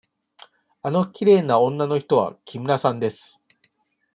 あのきれいな女の人は木村さんです。